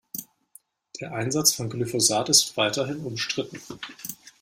Der Einsatz von Glyphosat ist weiterhin umstritten.